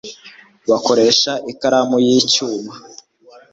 bakoreshe ikaramu y'icyuma